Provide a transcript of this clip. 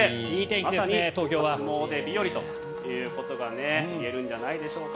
まさに初詣日和ということがいえるんじゃないでしょうか。